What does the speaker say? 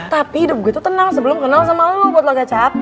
tapi hidup gue tuh tenang sebelum kenal sama lo potol kecap